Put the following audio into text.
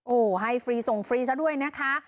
โอ้โหให้ฟรีส่งฟรีซะด้วยนะคะ